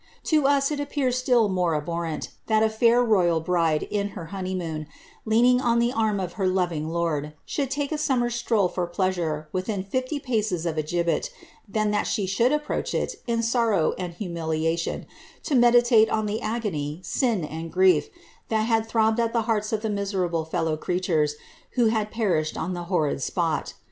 To lu it appears atill more abhorrent, that ■ &ir royal bride, in her honeymoon, leaning on the arm of her loving lord, should take a summer stroll for pleasure within fifty paces of a gibbet, than that she should approach it, in sorrow and humiliation, to meditate on the agony, sin, and grief, that had throbbed at the hearts of the miserable fellow creatures who had perished on the horrid spot.